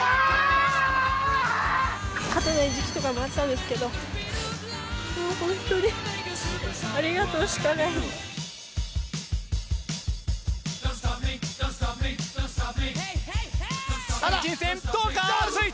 勝てない時期とかもあったんですけど、もう本当に、ありがとうしかない。